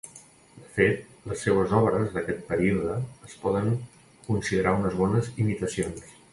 De fet les seues obres d'aquest període es poden considerar unes bones imitacions.